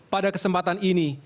pada kesempatan ini